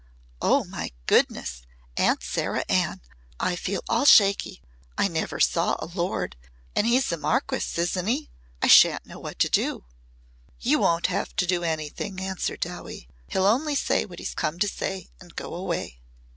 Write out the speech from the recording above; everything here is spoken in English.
"Oh, my goodness! Aunt Sarah Ann! I feel all shaky. I never saw a lord and he's a marquis, isn't it? I shan't know what to do." "You won't have to do anything," answered Dowie. "He'll only say what he's come to say and go away."